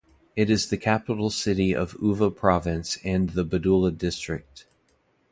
It is the capital city of Uva Province and the Badulla District.